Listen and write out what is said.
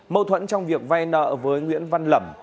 mâu thuẫn trong việc vay nợ với nguyễn văn lẩm